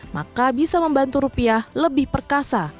maka bisa membantu rupiah lebih perkasa